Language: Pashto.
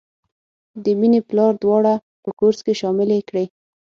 د مینې پلار دواړه په کورس کې شاملې کړې